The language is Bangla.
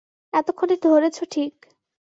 এতক্ষণে ধরেছ ঠিক।